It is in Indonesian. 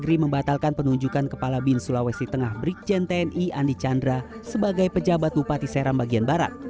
negeri membatalkan penunjukan kepala bin sulawesi tengah brikjen tni andi chandra sebagai pejabat bupati seram bagian barat